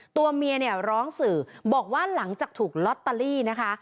ตัวเมียเนี่ยร้องสื่อบอกว่าหลังจากถูกลอตเตอรี่นะคะ